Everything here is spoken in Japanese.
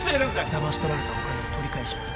ダマし取られたお金を取り返します